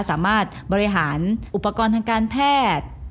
สามารถบริหารอุปกรณ์ทางการแพทย์